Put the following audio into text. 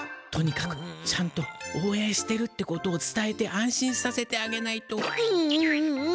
とにかくちゃんとおうえんしてるってことをつたえて安心させてあげないと。